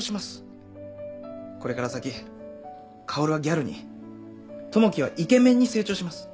これから先薫はギャルに友樹はイケメンに成長します。